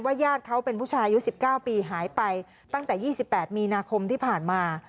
ญาติเขาเป็นผู้ชายอายุ๑๙ปีหายไปตั้งแต่๒๘มีนาคมที่ผ่านมา